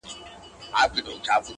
• نور لا څه غواړې له ستوني د منصوره -